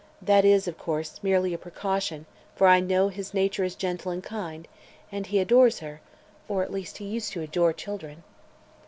That is, of course, merely a precaution, for I know his nature is gentle and kind, and he adores or at least he used to adore children."